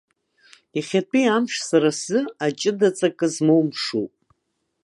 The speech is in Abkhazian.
Иахьатәи амш сара сзы аҷыдаҵакы змоу мшуп.